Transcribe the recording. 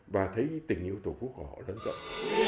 và thấy tình yêu tổ quốc của họ lớn rộng